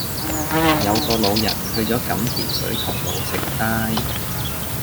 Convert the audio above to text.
有個老人去左錦田水頭路食齋